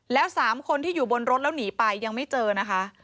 แล้ว๓คนที่อยู่บนรถแล้วหนีไปยังไม่เจอนะคะ